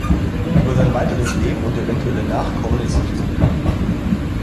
Über sein weiteres Leben und eventuelle Nachkommen ist nichts bekannt.